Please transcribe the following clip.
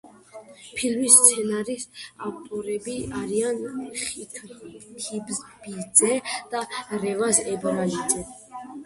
ფილმის სცენარის ავტორები არიან ხინთიბიძე და რევაზ ებრალიძე.